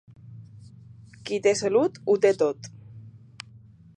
Qui té salut, ho té tot.